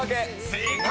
［正解！